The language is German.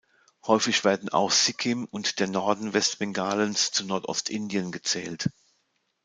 Häufig werden auch Sikkim und der Norden Westbengalens zu Nordostindien gezählt.